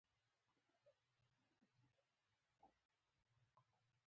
ملکه له خلکو تېر شه، دې ته دې خپل اپین ورکړي.